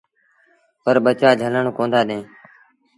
پر ٻچآ جھلڻ ڪوندآ ڏيݩ۔